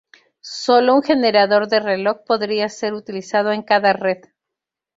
Sólo un generador de reloj podría ser utilizado en cada red.